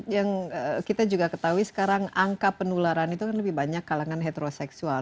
yang kita juga ketahui sekarang angka penularan itu kan lebih banyak kalangan heteroseksual